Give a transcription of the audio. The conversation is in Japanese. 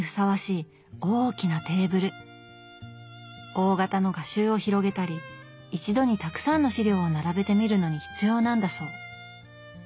大型の画集を広げたり一度にたくさんの資料を並べて見るのに必要なんだそう。